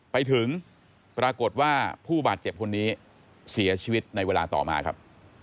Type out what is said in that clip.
ไปถึงปรากฏว่าผู้บาดเจ็บคนนี้เสียชีวิตในเวลาต่อมาครับ